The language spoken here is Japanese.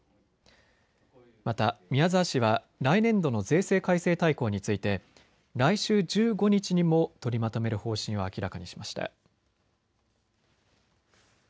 また宮沢氏は来年度の税制改正大綱について来週１５日にも取りまとめる方針を明らかにしました。